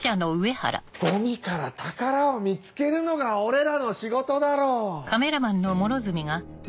ゴミから宝を見つけるのが俺らの仕事だろう！